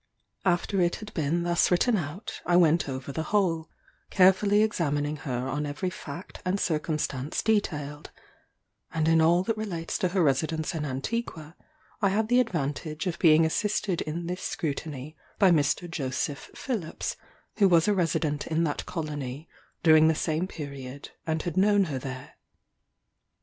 After it had been thus written out, I went over the whole, carefully examining her on every fact and circumstance detailed; and in all that relates to her residence in Antigua I had the advantage of being assisted in this scrutiny by Mr. Joseph Phillips, who was a resident in that colony during the same period, and had known her there.